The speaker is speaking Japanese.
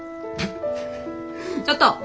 ちょっと！